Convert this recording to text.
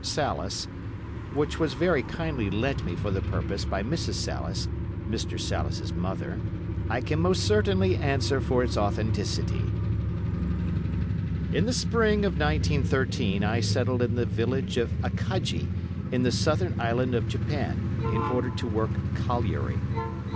Salis, which was very kindly lent me for the purpose by Mrs. Salis (Mr. Salis's mother), I can most certainly answer for its authenticity. "In the spring of 1913, I settled in the village of Akaji, in the southern Island of Japan, in order to work a colliery.